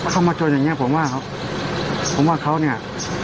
เข้ามาชนอย่างนี้ผมว่าเขาเนี่ย